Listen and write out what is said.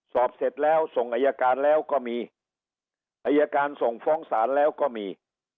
สอบเสร็จแล้วส่งอายการแล้วก็มีอายการส่งฟ้องศาลแล้วก็มี